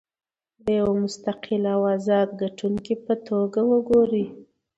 د یوه مستقل او ازاد کتونکي په توګه وګورئ.